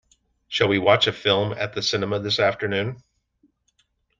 Shall we watch a film at the cinema this afternoon?